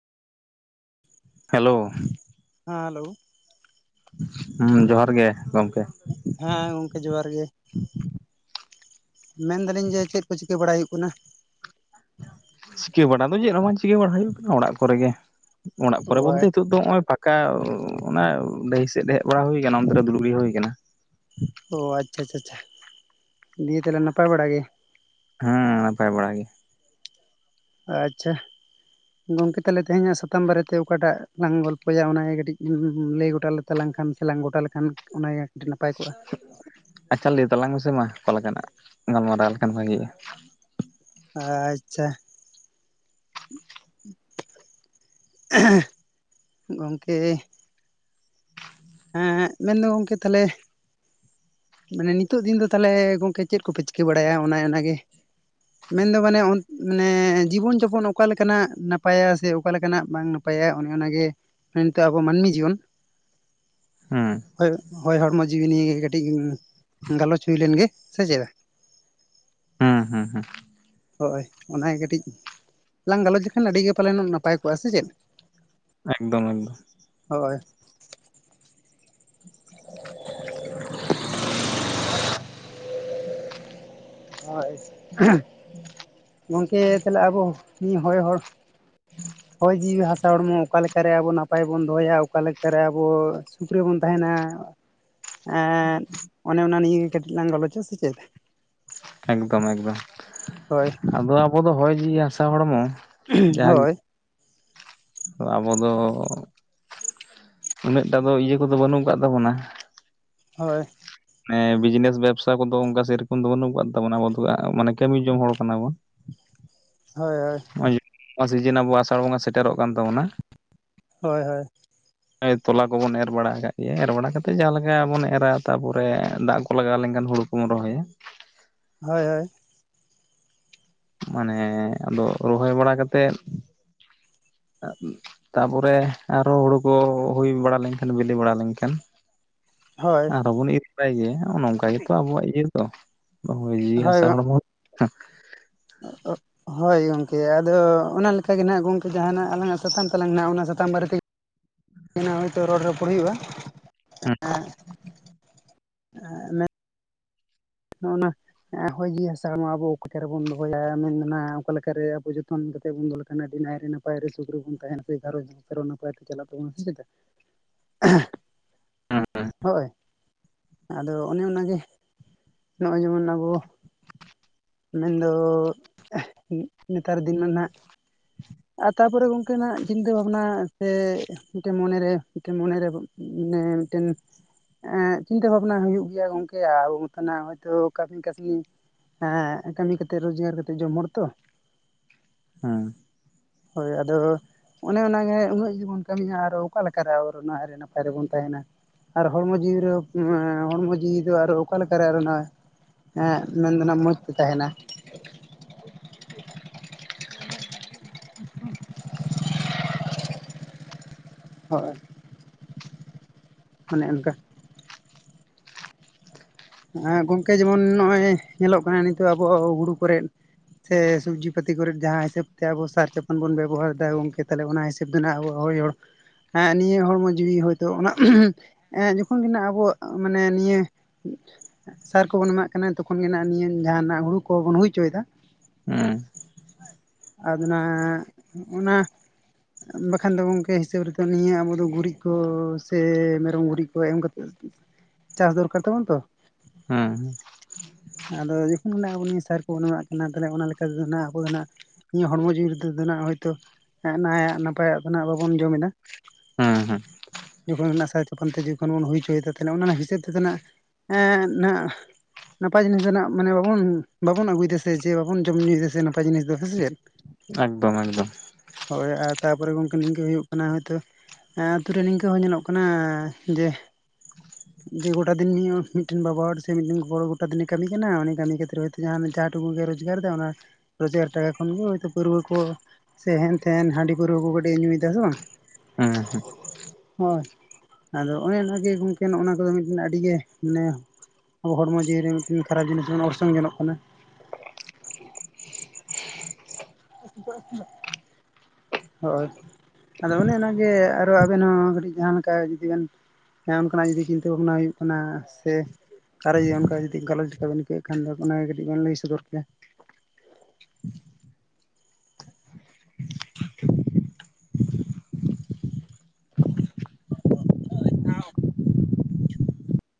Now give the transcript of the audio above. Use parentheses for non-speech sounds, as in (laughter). Hello. ᱦᱮᱸ hello. ᱦᱩᱸ ᱡᱚᱦᱟᱨ ᱜᱮ ᱜᱚᱝᱠᱮ᱾ ᱦᱮᱸ ᱜᱚᱝᱠᱮ ᱡᱚᱦᱟᱨ ᱜᱮ᱾ (inaudible) ᱢᱮᱱᱫᱟᱞᱤᱧ ᱡᱮ ᱪᱮᱫ ᱠᱚ ᱪᱤᱠᱟᱹ ᱵᱟᱲᱟ ᱦᱩᱭᱩᱜ ᱠᱟᱱᱟ᱾ ᱪᱤᱠᱟᱹᱵᱟᱲᱟ ᱫᱚ ᱪᱮᱫ ᱦᱚ ᱵᱟᱝ ᱪᱤᱠᱟᱹ ᱵᱟᱲᱟ ᱦᱩᱭᱩᱜ ᱠᱟᱱᱟ, ᱚᱲᱟᱜ ᱠᱚᱨᱮᱜ ᱜᱮ, ᱚᱲᱟᱜ ᱚ ᱠᱚᱨᱮ ᱵᱚᱞᱛᱮ ᱤᱛᱳᱜ ᱛ ᱱᱚᱜᱚᱭ ᱯᱟᱠᱟ ᱚᱱᱟ ᱰᱟᱹᱦᱤ ᱥᱮᱫ ᱦᱮᱡ ᱵᱟᱲᱟ ᱦᱩ ᱟᱠᱟᱱᱟ, ᱚᱱᱛᱮ ᱨᱮ ᱫᱩᱲᱩᱵ ᱦᱩᱭ ᱟᱠᱟᱱᱟ᱾ ᱚ ᱟᱪᱪᱷᱟ ᱟᱪᱪᱷᱟ ᱠᱪᱪᱷᱟ, ᱫᱤᱭᱮ ᱛᱟᱦᱚᱞᱮ ᱱᱟᱯᱟᱭ ᱵᱟᱲᱟ ᱜᱮ? ᱦᱮᱸ ᱱᱟᱯᱟᱭ ᱵᱟᱲᱟ ᱜᱮ᱾ ᱟᱪᱪᱷᱟ᱾ ᱜᱚᱝᱠᱮ ᱛᱟᱞᱮ ᱛᱮᱦᱮᱧᱟᱜ ᱥᱟᱛᱟᱢ ᱵᱟᱨᱮᱛᱮ ᱚᱠᱟᱴᱟᱜ ᱞᱟᱝ ᱜᱚᱞᱯᱷᱚᱭᱟ ᱚᱱᱟᱜᱮ ᱠᱟᱹᱴᱤᱡ ᱞᱟᱹᱭ ᱜᱚᱴᱟᱞᱮ? ᱛᱟᱞᱟᱝ ᱠᱷᱟᱱ ᱥᱮ ᱞᱟᱝ ᱜᱚᱴᱟ ᱞᱮᱠᱷᱟᱱ ᱚᱱᱟᱜᱮ ᱠᱟᱹᱴᱤᱡ ᱱᱟᱯᱟᱭ ᱠᱚᱜᱼᱟ ᱟᱪᱷᱟ ᱞᱟᱹᱭ ᱛᱟᱞᱟᱝ ᱢᱮᱥᱮ ᱢᱟ, ᱚᱠᱟ ᱞᱮᱠᱟᱱᱟᱜ ᱜᱟᱞᱢᱟᱨᱟᱣ ᱞᱮᱠᱷᱟᱱ ᱵᱷᱟᱹᱜᱤᱼᱟ᱾ ᱟᱪᱪᱷᱟ᱾ (unintelligible) ᱜᱚᱝᱠᱮ᱾ ᱦᱮᱸ, ᱢᱮᱱᱫᱚ ᱜᱚᱝᱠᱮ ᱛᱟᱦᱚᱞᱮ ᱢᱟᱱᱮ ᱱᱤᱛᱚᱜ ᱫᱤᱱ ᱫᱚ ᱛᱟᱦᱚᱞᱮ ᱜᱚᱝᱠᱮ ᱪᱮᱫ ᱠᱚᱯᱮ ᱪᱤᱠᱟᱹ ᱵᱟᱲᱟᱭᱟ, ᱚᱱᱮ ᱚᱱᱟᱜᱮ᱾ ᱢᱮᱱᱫᱚ ᱢᱟᱱᱮ ᱚᱱ ᱢᱟᱱᱮ ᱡᱤᱵᱚᱱ ᱡᱚᱯᱚᱱ ᱚᱠᱟ ᱞᱮᱠᱟᱱᱟᱜ ᱱᱟᱯᱟᱭᱟ ᱥᱮ ᱚᱠᱟ ᱞᱮᱠᱟᱱᱟᱜ ᱵᱟᱝ ᱱᱟᱯ ᱯᱟᱭᱟ ᱚᱱᱮ ᱚᱱᱟᱜᱮ ᱱᱤᱛᱚᱜ ᱟᱵᱚ ᱢᱟᱹᱱᱢᱤ ᱡᱤᱭᱚᱱ ᱦᱩᱸ ᱦᱳᱭ, ᱦᱳᱭ ᱦᱚᱲᱢᱚ ᱡᱤᱣᱤ ᱱᱤᱭᱟᱹ ᱜᱮ ᱠᱟᱹᱴᱤᱡ ᱜᱟᱞᱚᱪ ᱦᱩᱭ ᱞᱮᱱ ᱜᱮ ᱥᱮ ᱪᱮᱫ ᱾ ᱦᱮᱸ ᱦᱮᱸ ᱾ ᱦᱳᱭ, ᱚᱱᱟᱜᱮ ᱠᱟᱹᱴᱤᱡ᱾ ᱞᱟᱝ ᱜᱟᱞᱚᱪ ᱞᱮᱠᱷᱟᱱ ᱟᱹᱰᱤ ᱜᱮ ᱯᱟᱞᱮᱱᱚᱜ ᱱᱟᱯᱟᱭ ᱠᱚᱜᱼᱟ ᱥᱮ ᱪᱮᱫ᱾ ᱮᱠᱫᱚᱢ ᱮᱠᱫᱚᱢ᱾ ᱦᱳᱭ᱾ ᱦᱳᱭ, (inaudible) ᱜᱚᱝᱠᱮ ᱛᱟᱦᱚᱞᱮ ᱟᱵᱚ ᱱᱤ ᱦᱚᱭ ᱦᱚᱲ᱾ ᱦᱚᱭ ᱡᱤᱣᱤ ᱦᱟᱥᱟ ᱦᱚᱲᱢᱚ ᱚᱠᱟ ᱞᱮᱠᱟᱨᱮ ᱟᱵᱚ ᱱᱟᱯᱟᱭ ᱵᱚᱱ ᱫᱚᱦᱚᱭᱟ, ᱚᱠᱟ ᱞᱮᱠᱟᱨᱮ ᱟᱵᱚ ᱥᱩᱠ ᱨᱮᱵᱚᱱ ᱛᱟᱦᱮᱱᱟ? ᱮᱻ ᱚᱱᱮ ᱚᱱᱟ ᱱᱤᱭᱮ ᱜᱮ ᱠᱟᱹᱴᱤᱡ ᱞᱟᱝ ᱜᱟᱞᱚᱪᱼᱟ ᱥᱮ ᱪᱮᱫ? ᱱᱚᱝᱠᱟ ᱢᱚᱡᱽ ᱵᱟᱝ ᱦᱳᱭ ᱟᱫᱚ ᱟᱵᱚ ᱫᱚ ᱦᱚᱭ ᱡᱤᱣᱤ ᱦᱟᱥᱟ ᱦᱚᱲᱢᱚ ᱦᱩᱸ ᱡᱟᱦᱟᱸ ᱦᱳᱭ ᱟᱵᱚ ᱫᱚ ᱩᱱᱟᱹᱜᱴᱟ ᱫᱚ ᱤᱭᱟᱹ ᱠᱚᱫᱚ ᱵᱟᱹᱱᱩᱜ ᱟᱠᱟᱫ ᱛᱟᱵᱚᱱᱟ ᱾ ᱦᱳᱭ ᱦᱮ ᱵᱤᱡᱽᱱᱮᱥ ᱵᱮᱵᱥᱟ ᱠᱚᱫᱚ ᱚᱱᱠᱟ ᱥᱮ ᱨᱚᱠᱚᱡ ᱫᱚ ᱵᱟᱹᱱᱩᱜ ᱟᱠᱟᱫ ᱛᱟᱵᱚᱱᱟ ᱟᱵᱚ ᱫᱚ ᱢᱟᱱᱮ ᱠᱟᱹᱢᱤ ᱡᱚᱝ ᱦᱚᱲ ᱠᱟᱱᱟ ᱵᱚᱱ ᱾ ᱦᱳᱭ ᱦᱳᱭ ᱱᱚᱜᱚᱭ ᱱᱚᱣᱟ ᱥᱤᱡᱤᱱ ᱟᱵᱚ ᱟᱥᱟᱲ ᱵᱚᱸᱜᱟ ᱥᱮᱴᱮᱨᱚᱜ ᱠᱟᱱ ᱛᱟᱵᱚᱱᱟ ᱾ ᱦᱳᱭ ᱦᱳᱭ ᱛᱚᱞᱟ ᱠᱚᱵᱚᱱ ᱮᱨ ᱵᱟᱲᱟ ᱟᱠᱟᱜ ᱜᱮ ᱮᱨ ᱵᱟᱲᱟ ᱠᱟᱛᱮᱜ ᱡᱟᱦᱟᱸᱮᱠᱟ ᱵᱚᱱ ᱮᱨᱟ ᱛᱟᱯᱚᱨᱮ ᱫᱟᱜ ᱠᱚ ᱞᱟᱜᱟᱣ ᱞᱮᱱᱠᱷᱟᱱ ᱦᱩᱲᱩ ᱠᱚᱢ ᱨᱚᱦᱚᱭᱟ ᱦᱳᱭ ᱦᱳᱭ ᱢᱟᱱᱮ ᱟᱫᱚ ᱨᱚᱦᱚᱭ ᱵᱟᱲᱟ ᱠᱟᱛᱮᱜ ᱛᱟᱯᱚᱨᱮ ᱟᱨᱚ ᱦᱩᱲᱩ ᱠᱚ ᱦᱩᱭ ᱵᱟᱲᱟ ᱞᱮᱱᱠᱷᱟᱱ ᱵᱤᱞᱤ ᱵᱟᱲᱟ ᱞᱮᱱᱠᱷᱟᱱ ᱦᱳᱭ ᱟᱨᱚᱸ ᱵᱚᱱ ᱤᱨ ᱵᱟᱲᱟᱭ ᱜᱮ ᱱᱚᱜᱚᱸᱭ ᱱᱚᱝᱠᱟ ᱦᱳᱭ ᱜᱮᱛᱚ ᱟᱵᱚᱣᱟᱜ ᱤᱭᱟᱹ ᱫᱚ ᱦᱳᱭ ᱡᱤᱣᱤ ᱦᱟᱥᱟ ᱦᱚᱲᱢᱚ (unintelligible) ᱦᱳᱭ ᱜᱚᱝᱠᱮ ᱟᱫᱚ ᱚᱱᱟ ᱞᱮᱠᱟ ᱜᱮ ᱜᱚᱝᱠᱮ ᱡᱟᱦᱟᱱᱟᱜ ᱟᱞᱟᱝᱟᱜ ᱥᱟᱛᱟᱢ ᱛᱟᱠᱟᱝ ᱱᱟᱜ ᱚᱱᱟ ᱥᱟᱛᱟᱢ ᱵᱟᱨᱮᱛᱮ ᱛᱮᱱᱟᱜ ᱦᱚᱭᱛᱳ ᱤᱨᱚᱲ ᱨᱚᱯᱚᱲ ᱦᱩᱭᱩᱜᱼᱟ ᱾ ᱦᱮᱸ ᱱᱚ ᱚᱱᱟᱜ ᱦᱚᱭ ᱡᱤᱣᱤ ᱦᱟᱥᱟ ᱢᱟ ᱟᱵᱚ ᱚᱠᱟ ᱞᱮᱠᱟᱮᱵᱚᱱ ᱫᱚᱦᱚᱭᱟ ᱢᱮᱱᱟ ᱚᱠᱟᱞᱠᱟᱨᱮ ᱟᱵᱚ ᱡᱚᱛᱚᱱ ᱠᱟᱛᱮᱫ ᱵᱚᱱ ᱫᱚᱦᱚ ᱞᱮ ᱠᱟᱱᱟ ᱟᱹᱰᱤ ᱱᱟᱭ ᱨᱮ ᱱᱟᱯᱟᱭ ᱱᱟᱯᱟᱭᱨᱮ ᱥᱩᱠ ᱨᱤ ᱵᱚᱱ ᱛᱟᱦᱮᱱᱟ ᱥᱮ ᱜᱷᱟᱸᱨᱚᱡᱽ ᱥᱮ ᱱᱟᱯᱟᱭ ᱛᱮ ᱪᱟᱞᱟᱜ ᱛᱟᱵᱚᱱᱟ ᱪᱮᱫᱟ ᱦᱮᱸ ᱦᱳᱭ ᱟᱫᱚ ᱚᱱᱮ ᱚᱱᱟᱱᱟᱜᱮ ᱱᱚᱜᱼᱚᱭ ᱡᱮᱢᱚᱱ ᱟᱵᱚ ᱢᱮᱱᱫᱚ ᱱᱮᱛᱟᱨ ᱫᱤᱱ ᱢᱟ ᱱᱟᱦᱟᱜ ᱟᱨ ᱛᱟᱯᱚᱨᱮ ᱜᱚᱝᱠᱮ ᱱᱟᱜ ᱪᱤᱱᱛᱟᱹ ᱵᱷᱟᱵᱱᱟ ᱥᱮ ᱢᱤᱫᱴᱮᱱ ᱢᱚᱱᱮᱨᱮ ᱢᱤᱫᱴᱮᱱ ᱢᱚᱱᱮᱨᱮ ᱢᱟᱱᱮ ᱢᱤᱫᱴᱮᱱ ᱮᱜ ᱪᱤᱱᱛᱟᱹ ᱵᱷᱟᱵᱱᱟ ᱦᱩᱭᱩᱜᱭ ᱜᱮᱭᱟ ᱜᱚᱝᱠᱮ ᱟ ᱚᱱᱟᱛᱮᱱᱟᱜ ᱦᱚᱭᱛᱳ ᱠᱟᱹᱢᱤ ᱠᱟᱹᱥᱱᱤ ᱮᱮᱸ ᱠᱟᱹᱢᱤ ᱠᱟᱛᱮᱜ ᱨᱚᱡᱜᱟᱨ ᱠᱟᱛᱮᱜ ᱡᱚᱢ ᱦᱚᱲ ᱛᱚ ᱾ ᱦᱮᱸ ᱦᱳᱭ ᱟᱫᱚ ᱚᱱᱮ ᱚᱱᱟᱜᱮ ᱩᱱᱟᱹᱜ ᱜᱮ ᱵᱚᱱ ᱠᱟᱹᱢᱤᱭᱟ ᱟᱨᱚ ᱚᱠᱟ ᱞᱮᱠᱟ ᱨᱮ ᱱᱟᱭ ᱱᱟᱯᱟᱭ ᱨᱮᱵᱚᱱ ᱛᱟᱦᱮᱱᱟ ᱾ ᱟᱨ ᱦᱚᱲᱢᱚ ᱡᱤᱣᱤᱨᱮ ᱦᱚᱲᱢᱚ ᱡᱤᱣᱤ ᱫᱚ ᱟᱨᱚ ᱚᱠᱟᱞᱠᱟᱨᱮ ᱟᱨ ᱚᱱᱟ ᱦᱮᱸ ᱢᱮᱱ ᱫᱚ ᱱᱟᱜ ᱢᱚᱸᱡᱽ ᱛᱮ ᱛᱟᱦᱮᱱᱟ ᱾ (inaudible) ᱦᱳᱭ ᱢᱟᱱᱮ ᱚᱱᱠᱟ ᱟᱨ ᱜᱚᱢᱠᱮ ᱡᱮᱢᱚᱱ ᱱᱚᱜᱼᱚᱭ ᱧᱮᱞᱚᱜ ᱠᱟᱱᱟ ᱱᱤᱛᱚᱜ ᱟᱵᱚ ᱦᱩᱲᱩ ᱠᱚᱨᱮᱜ ᱥᱮ ᱥᱚᱵᱡᱤ ᱯᱟᱹᱛᱤ ᱠᱚᱨᱮ ᱡᱟᱦᱟᱸ ᱦᱤᱥᱟᱹᱵ ᱛᱮ ᱟᱵᱚ ᱥᱟᱨ ᱪᱟᱯᱟᱱ ᱵᱚᱱ ᱵᱮᱵᱚᱦᱟᱨᱫᱟ ᱜᱚᱢᱠᱮ ᱛᱟᱦᱚᱞᱮ ᱚᱱᱟ ᱦᱤᱥᱟᱹᱵᱽ ᱦᱤᱥᱟᱹᱵ ᱫᱚ ᱟᱵᱚᱣᱟᱜ ᱦᱚᱭ ᱦᱚᱲ ᱱᱤᱭᱟᱹ ᱦᱚᱲᱢᱚ ᱡᱤᱣᱤ ᱦᱚᱭᱛᱳ ᱚᱱᱟ ᱮᱸ ᱡᱚᱠᱷᱚᱱ ᱜᱮ ᱱᱟᱜ ᱟᱵᱚ ᱢᱟᱱᱮ ᱱᱤᱭᱟᱹ ᱥᱟᱨ ᱠᱚᱵᱚᱱ ᱮᱢᱟᱜ ᱠᱟᱱᱟ ᱛᱚᱠᱷᱚᱱ ᱜᱮ ᱱᱤᱭᱟᱹ ᱡᱟᱦᱟᱱᱟᱜ ᱦᱩᱲᱩ ᱠᱚᱵᱚᱱ ᱦᱩᱭ ᱦᱚᱭᱪᱚᱭᱫᱟ ᱦᱮᱸ ᱟᱨ ᱚᱱᱟᱜ ᱚᱱᱟ ᱵᱟᱠᱷᱟᱱ ᱫᱚ ᱜᱚᱢᱠᱮ ᱦᱤᱥᱟᱹᱵᱽ ᱨᱮᱫᱚ ᱱᱤᱭᱟᱹ ᱟᱵᱚ ᱫᱚ ᱜᱩᱨᱤᱡ ᱠᱚ ᱥᱮ ᱢᱮᱨᱚᱢ ᱜᱩᱨᱤᱡ ᱠᱚ ᱮᱢ ᱠᱟᱛᱮ ᱪᱟᱥ ᱫᱚᱨᱠᱟᱨ ᱛᱟᱵᱚᱱ ᱛᱚ ᱦᱮᱸ ᱟᱫᱚ ᱡᱚᱠᱷᱚᱱ ᱟᱵᱚ ᱱᱤᱭᱟᱹ ᱥᱟᱨ ᱠᱚᱵᱚᱱ ᱮᱢᱟᱜ ᱠᱟᱱᱟ ᱛᱟᱦᱞᱮ ᱚᱱᱟ ᱞᱮᱠᱟᱮᱫᱚ ᱟᱵᱚ ᱫᱚ ᱱᱟᱜ ᱤᱧᱟᱹᱜ ᱦᱚᱲᱢᱚ ᱡᱤᱣᱤ ᱨᱮᱫᱚ ᱱᱟᱱᱟᱜ ᱦᱚᱳᱭᱛᱳ ᱱᱟᱭᱟᱜ ᱱᱟᱯᱟᱭᱟᱜ ᱫᱚᱜ ᱵᱟᱵᱚᱱ ᱡᱚᱢ ᱮᱟ ᱾ ᱦᱮᱸ ᱦᱮᱸ ᱡᱚᱠᱷᱚᱱ ᱚᱱᱟᱥᱟᱨ ᱪᱟᱯᱟᱱ ᱛᱮ ᱡᱚᱠᱷᱚᱱ ᱵᱚᱱ ᱦᱩᱭᱪᱚᱭᱮᱫᱟ ᱚᱱᱟ ᱦᱤᱥᱟᱹᱵ ᱛᱮᱫᱚᱱᱟᱜ ᱮ ᱱᱟᱯᱟᱭ ᱡᱤᱱᱤᱥ ᱨᱮᱱᱟᱜ ᱢᱟᱱᱮ ᱵᱟᱵᱚᱱ ᱵᱟᱵᱚᱱ ᱟᱹᱜᱩᱭᱮᱫ ᱥᱮ ᱡᱮ ᱵᱟᱵᱚᱱ ᱡᱚᱢ ᱧᱩᱭᱫᱟ ᱥᱮ ᱱᱟᱯᱟᱭ ᱡᱤᱱᱤᱥ ᱫᱚ ᱦᱮᱸ ᱥᱮ ᱪᱮᱫ ᱮᱠᱫᱚᱢ ᱮᱠᱫᱚᱢ ᱦᱳᱭ ᱟᱨ ᱛᱟᱯᱚᱨᱮ ᱜᱚᱝᱠᱮ ᱱᱤᱝᱠᱟᱹ ᱦᱩᱭᱩᱜ ᱠᱟᱱᱟ ᱦᱳᱭᱛᱚ ᱦᱮᱸ ᱟᱹᱛᱩᱨᱮ ᱱᱤᱝᱠᱟᱹ ᱦᱚᱸ ᱧᱮᱞᱚᱜ ᱠᱟᱱᱟ ᱡᱮ ᱡᱮ ᱜᱚᱴᱟ ᱫᱤᱱ ᱢᱤᱫᱴᱮᱱ ᱵᱟᱵᱟ ᱦᱚᱲ ᱥᱮ ᱢᱤᱫᱴᱮᱱ ᱜᱚᱲᱚ ᱜᱚᱴᱟ ᱫᱤᱱᱮ ᱠᱟᱹᱢᱤ ᱠᱟᱱᱟ ᱩᱱᱤ ᱠᱟᱹᱢᱤ ᱠᱷᱟᱹᱛᱤᱨ ᱦᱚᱭᱛᱳ ᱡᱟᱦ ᱡᱟᱦᱟᱸ ᱴᱩᱠᱩ ᱜᱮ ᱨᱚᱡᱽᱜᱟᱨ ᱚᱱᱟ ᱨᱚᱡᱽᱜᱟᱨ ᱴᱟᱠᱟ ᱛᱚᱠᱷᱚᱱ ᱜᱮ ᱦᱳᱭᱛᱳ ᱯᱟᱹᱨᱣᱟᱹ ᱠᱚ ᱥᱮ ᱦᱮᱱᱛᱷᱮᱱ ᱦᱟᱺᱰᱤ ᱯᱟᱹᱨᱣᱨᱟᱹ ᱠᱚ ᱠᱟᱴᱤᱡ ᱧᱩᱭᱮᱫᱟ ᱥᱮ ᱵᱟᱝ ᱦᱮᱸ ᱦᱳᱭ ᱟᱫᱚ ᱚᱱᱮ ᱚᱱᱟᱜᱮ ᱜᱚᱝᱠᱮ ᱱᱚᱜ ᱚᱱᱟ ᱠᱚᱫᱚ ᱢᱤᱫᱴᱮᱱ ᱟᱹᱰᱤ ᱜᱮ ᱢᱟᱱᱮ ᱟᱵᱚ ᱦᱚᱲᱢᱚ ᱡᱤᱣᱤ ᱨᱮ ᱢᱤᱫᱴᱤᱱ ᱠᱷᱟᱨᱟᱯ ᱡᱤᱱᱤᱥ ᱚᱨᱥᱚᱝ ᱜᱟᱱᱚᱜ ᱠᱟᱱᱟ ᱦᱳᱭ ᱟᱫᱚ ᱚᱱᱮ ᱚᱱᱟᱜᱮ ᱟᱨᱚ ᱟᱵᱤᱱ ᱦᱚᱸ ᱠᱟᱹᱴᱤᱡ ᱡᱟᱦᱟᱸ ᱞᱮᱠᱟ ᱡᱩᱫᱤ ᱵᱮᱱ ᱦᱮᱸ ᱚᱱᱠᱟᱱᱟᱜ ᱡᱩᱫᱤ ᱪᱤᱱᱛᱟᱹ ᱵᱷᱟᱵᱽᱱᱟ ᱦᱩᱭᱩᱜ ᱠᱟᱱᱟ ᱥᱮ ᱟᱨ ᱚᱱᱠᱟ ᱡᱩᱫᱤ ᱜᱟᱞᱚᱪ ᱞᱮᱠᱟᱵᱤᱱ ᱟᱹᱭᱠᱟᱹᱣ ᱠᱷᱟᱱ ᱚᱱᱟᱱᱟᱜ ᱠᱟᱹᱴᱤᱡ ᱵᱮᱱ ᱞᱟᱹᱭ ᱥᱚᱫᱚᱨ ᱠᱮᱭᱟ (unintelligible)